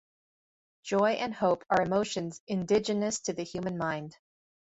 Joy and hope are emotions indigenous to the human mind.